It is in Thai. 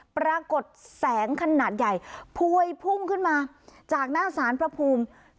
ปรากฏแสงขนาดใหญ่พวยพุ่งขึ้นมาจากหน้าสารพระภูมิ